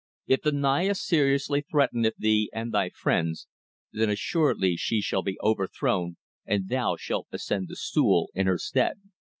If the Naya seriously threateneth thee and thy friends, then assuredly she shall be overthrown and thou shalt ascend the stool in her stead."